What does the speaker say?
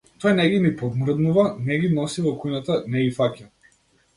Тој не ги ни помрднува, не ги носи во кујната, не ги фаќа.